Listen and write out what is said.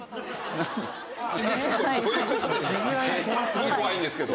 すごい怖いんですけど。